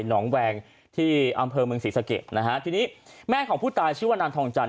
หนองแวงที่อำเภอเมืองศรีสะเกดนะฮะทีนี้แม่ของผู้ตายชื่อว่านางทองจันท